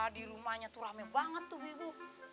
di rumahnya tuh rame banget tuh ibu ibu